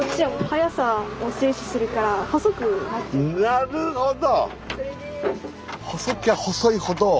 なるほど。